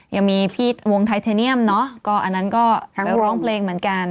ยังมีพี่วงไทเทเนียมเนาะก็อันนั้นก็ไปร้องเพลงเหมือนกัน